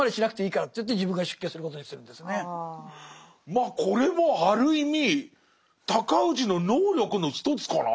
まあこれもある意味尊氏の能力の一つかな。